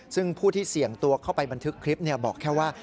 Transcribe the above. ซึ่งผู้ที่เสี่ยงตัวเข้าไปบันทึกคลิปบอกแค่ว่า